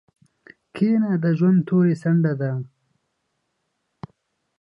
کینه د ژوند توري څنډه ده.